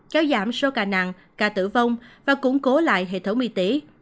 kéo giảm số ca nặng ca tử vong và củng cố lại hệ thống y tế